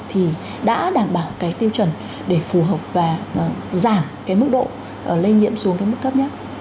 thì đã đảm bảo cái tiêu chuẩn để phù hợp và giảm cái mức độ lây nhiễm xuống tới mức cấp nhé